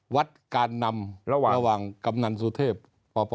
วัดการนำระหว่างกำหนังสูทธิพย์